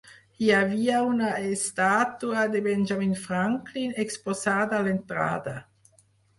Hi havia una estàtua de Benjamin Franklin exposada a l'entrada.